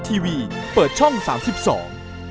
ก็ไม่มีคนกลับมาหรือเปล่า